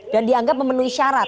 dan dianggap memenuhi syarat